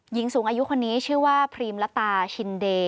หญิงสูงอายุคนนี้ชื่อว่าพรีมละตาชินเดย์